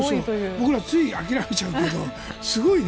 僕ら、つい諦めちゃうけど本当にすごいね。